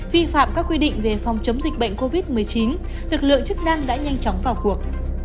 vi phạm các quy định về phòng chống dịch bệnh covid một mươi chín lực lượng chức năng đã nhanh chóng vào cuộc